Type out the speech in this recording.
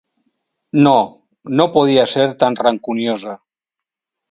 No, no podia ser tan rancuniosa.